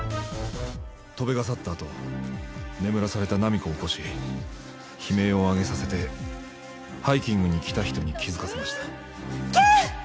戸辺が去ったあと眠らされた菜実子を起こし悲鳴を上げさせてハイキングに来た人に気づかせました。